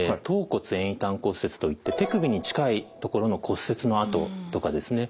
橈骨遠位端骨折といって手首に近い所の骨折のあととかですね